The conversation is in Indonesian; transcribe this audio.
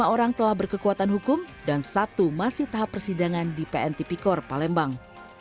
lima orang telah berkekuatan hukum dan satu masih tahap persidangan di pn tipikor palembang